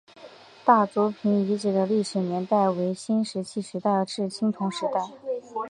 大族坪遗址的历史年代为新石器时代至青铜时代。